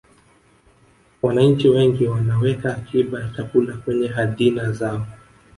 wananchi wengi wanaweka akiba ya chakula kwenye hadhina zao